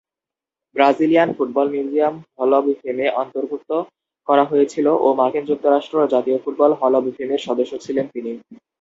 Brazilian football museum hall of ফেমে অন্তর্ভুক্ত করা হয়েছিল ও মার্কিন যুক্তরাষ্ট্র জাতীয় ফুটবল হল অব ফেমের সদস্য ছিলেন তিনি।